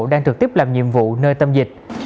đang thực tiếp làm nhiệm vụ nơi tâm dịch